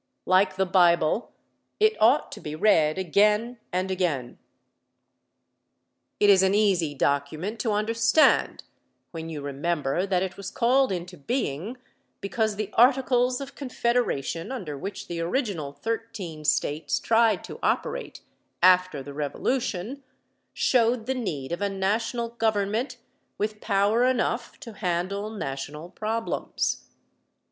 Like the Bible, it ought to be read again and again. It is an easy document to understand when you remember that it was called into being because the Articles of Confederation under which the original thirteen States tried to operate after the Revolution showed the need of a national government with power enough to handle national problems.